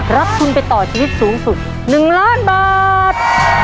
รับทุนไปต่อชีวิตสูงสุด๑ล้านบาท